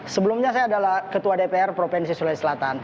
sebelumnya saya adalah ketua dpr provinsi sulawesi selatan